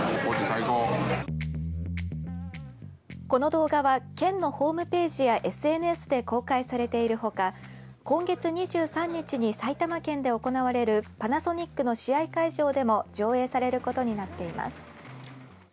この動画は県のホームページやＳＮＳで公開されているほか今月２３日に埼玉県で行われるパナソニックの試合会場でも上映されることになっています。